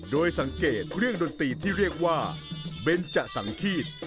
โดยสังเกตเรื่องดนตรีที่เรียกว่าเบนจะสังฆีต